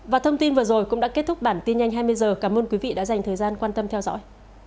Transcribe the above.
và thông tin vừa rồi cũng đã kết thúc bản tin nhanh hai mươi h cảm ơn quý vị đã dành thời gian quan tâm theo dõi